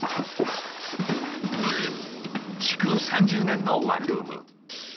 築３０年のワンルーム。